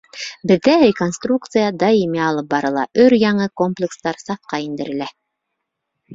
— Беҙҙә реконструкция даими алып барыла, өр-яңы комплекстар сафҡа индерелә.